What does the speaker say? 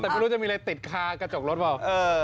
แต่ไม่รู้จะมีอะไรติดคากระจกรถเปล่า